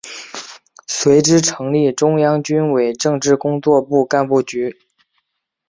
随之成立中央军委政治工作部干部局。